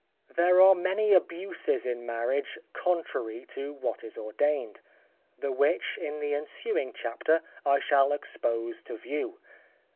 There are many abuses in marriage contrary to what is ordained, the which in the ensuing chapter I shall expose to view.